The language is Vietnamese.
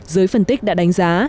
giới phân tích đã đánh giá